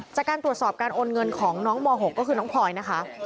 จากการตรวจสอบการโอนเงินของน้องม๖ก็คือน้องพลอยนะคะ